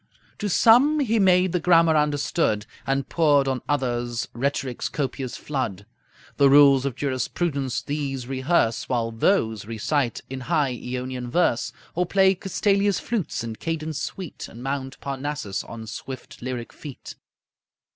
To some he made the grammar understood, And poured on others rhetoric's copious flood. The rules of jurisprudence these rehearse, While those recite in high Eonian verse, Or play Castalia's flutes in cadence sweet And mount Parnassus on swift lyric feet.